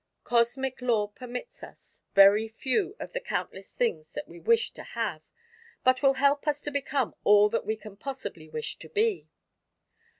Cosmic law permits us very few of the countless things that we wish to have, but will help us to become all that we can possibly wish to be.